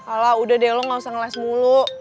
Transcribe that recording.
ala udah deh lo gak usah ngeles mulu